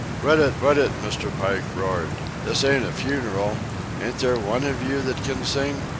"Quit it! Quit it!" Mr. Pike roared. "This ain't a funeral! Ain't there one of you that can sing?